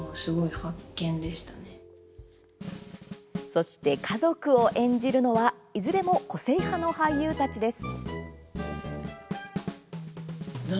そして家族を演じるのはいずれも個性派の俳優たちです。